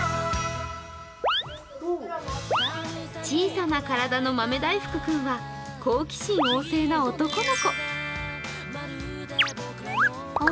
小さな体の豆大福くんは好奇心旺盛な男の子。